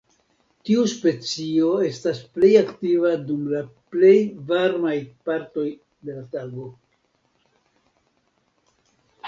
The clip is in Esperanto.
Tiu specio estas plej aktiva dum la plej varmaj partoj de la tago.